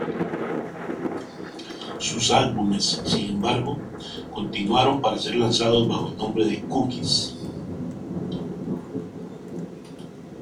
Sus álbumes, sin embargo, continuaron para ser lanzados bajo el nombre de Cookies.